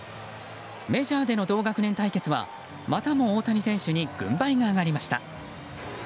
メジャーでの同学年対決はまたも大谷選手に軍配が上がりました。